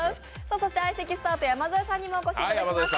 そして相席スタート、山添さんにもお越しいただきました。